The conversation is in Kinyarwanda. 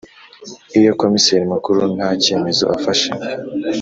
Iyo Komiseri Mukuru nta cyemezo afashe